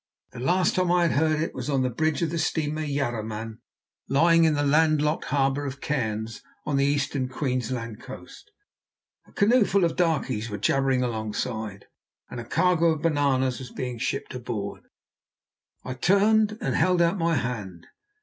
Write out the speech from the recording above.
The last time I had heard it was on the bridge of the steamer Yarraman, lying in the land locked harbour of Cairns, on the Eastern Queensland coast; a canoeful of darkies were jabbering alongside, and a cargo of bananas was being shipped aboard. I turned and held out my hand.